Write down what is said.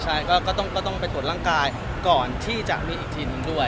ใช่ก็ต้องกต้องไปกดร่างกายบอกก่อนที่จะมีอีกทีหนึ่งด้วย